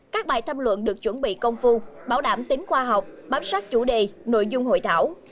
các bài tham luận được chuẩn bị công phu bảo đảm tính khoa học bám sát chủ đề nội dung hội thảo